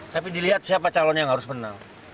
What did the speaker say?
tapi dilihat siapa calon yang harus menang